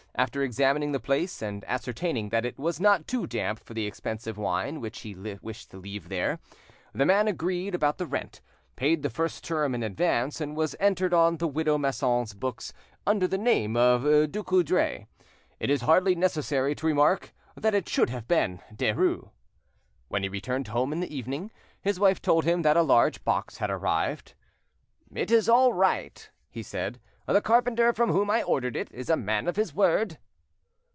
After examining the place, and ascertaining that it was not too damp for the expensive wine which he wished to leave there, the man agreed about the rent, paid the first term in advance, and was entered on the widow Masson's books under the name of Ducoudray. It is hardly necessary to remark that it should have been Derues. When he returned home in the evening, his wife told him that a large box had arrived. "It is all right," he said, "the carpenter from whom I ordered it is a man of his word."